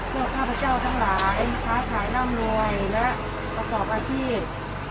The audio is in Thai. ข้าพเจ้าทั้งหลายค้าขายร่ำรวยและประกอบอาชีพ